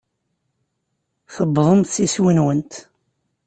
Tuwḍemt s iswi-nwent.